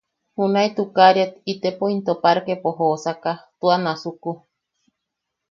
Junae tukariat itepo into parkepo joosaka, tua nasuku.